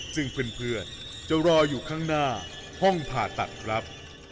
ซึ่งเพื่อนจะรออยู่ข้างหน้าห้องผ่าตัดครับ